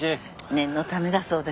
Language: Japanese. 念のためだそうです。